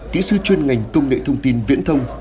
kỹ sư chuyên ngành công nghệ thông tin viễn thông